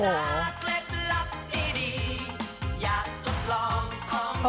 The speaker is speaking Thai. โอ้โฮ